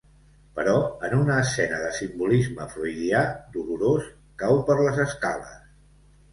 Però, en una escena de simbolisme freudià dolorós, cau per les escales.